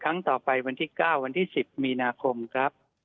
ครั้งต่อไปวันที่๙วันที่๑๐มีนาคมครับ